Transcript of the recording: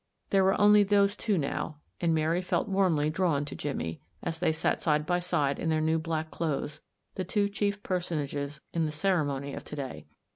There were only those two now, and Mary felt warmly drawn to Jimmie, as they sat side by side in their new black clothes, the two chief personages in the cere mony of to day.